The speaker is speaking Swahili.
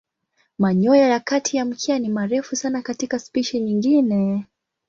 Manyoya ya kati ya mkia ni marefu sana katika spishi nyingine.